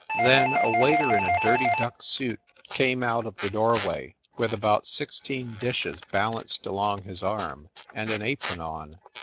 Then a waiter in a dirty duck suit came out of the doorway, with about sixteen dishes balanced along his arm, and an apron on.